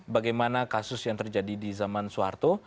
bagaimana kasus yang terjadi di zaman soeharto